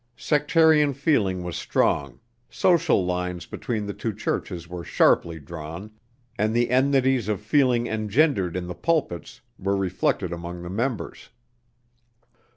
Sectarian feeling was strong, social lines between the two churches were sharply drawn, and the enmities of feeling engendered in the pulpits were reflected among the members.